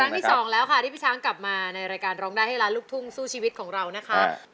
ที่สองแล้วค่ะที่พี่ช้างกลับมาในรายการร้องได้ให้ล้านลูกทุ่งสู้ชีวิตของเรานะคะ